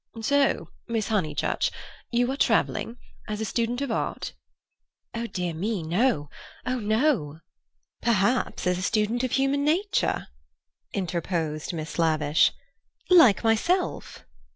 "So, Miss Honeychurch, you are travelling? As a student of art?" "Oh, dear me, no—oh, no!" "Perhaps as a student of human nature," interposed Miss Lavish, "like myself?"